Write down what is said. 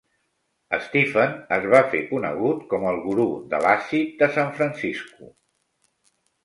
Stephen es va fer conegut com el "guru de l'àcid de San Francisco".